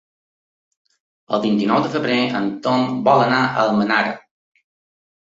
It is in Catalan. El vint-i-nou de febrer en Tom vol anar a Almenara.